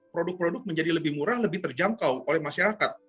produk produk menjadi lebih murah lebih terjangkau oleh masyarakat